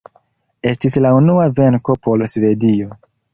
Estis la unua venko por Svedio.